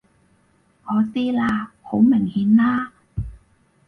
我知啦！好明顯啦！